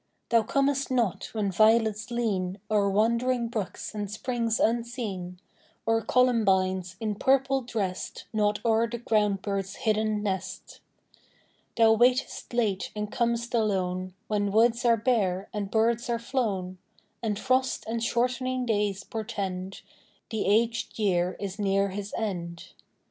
Thou comest not when violets lean O'er wandering brooks and springs unseen, Or columbines, in purple dressed, Nod o'er the ground bird's hidden nest. Thou waitest late and com'st alone, When woods are bare and birds are flown, And frosts and shortening days portend The aged year is near his end.